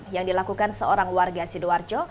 yang dilakukan seorang warga sidoarjo